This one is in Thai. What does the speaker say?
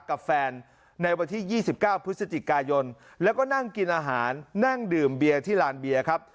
กับแฟนในวันที่๒๙พฤศจิกายนแล้วก็นั่งกินอาหารนั่งดื่มเบียร์ที่ลานเบียร์ครับ